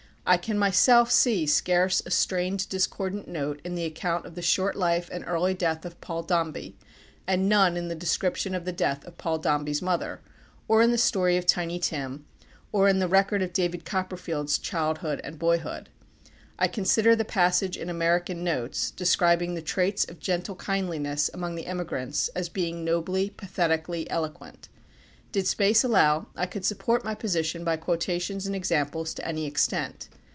I can myself see scarce a strained discordant note in the account of the short life and early death of Paul Dombey, and none in the description of the death of Paul Dombey's mother, or in the story of Tiny Tim, or in the record of David Copperfield's childhood and boyhood. I consider the passage in "American Notes" describing the traits of gentle kindliness among the emigrants as being nobly, pathetically eloquent. Did space allow, I could support my position by quotations and example to any extent.